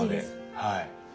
はい。